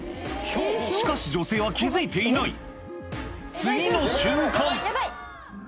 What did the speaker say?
しかし女性は気付いていない次の瞬間